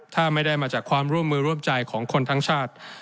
ถ้าไม่ได้มาจากความร่วมมือร่วมใจของคนทั้งชาติ